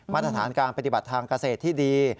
มาตรฐานการปฏิบัติทางเกษตรที่ดี